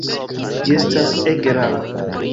Ĝi estas ege rara.